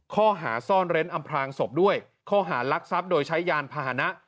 ข้อหาซ่อนเร้นอำพลางศพด้วยข้อหารักทรัพย์โดยใช้ยานพาหนะ